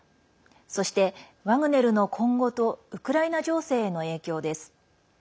そして、ワグネルの今後とウクライナ情勢への影響です。